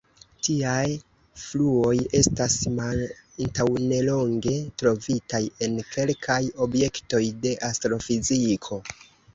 Tiaj fluoj estas antaŭnelonge trovitaj en kelkaj objektoj de astrofiziko.